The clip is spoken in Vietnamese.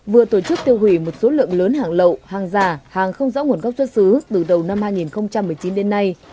vừa tổ chức tiêu hủy một số lượng lớn hàng lậu hàng giả hàng không rõ nguồn gốc xuất xứ từ đầu năm hai nghìn một mươi chín đến nay